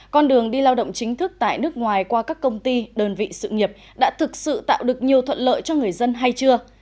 con đường đi lao động chính thức tại nước ngoài qua các công ty đơn vị sự nghiệp đã thực sự tạo được nhiều thuận lợi cho người dân hay chưa